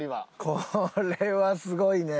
これはすごいね。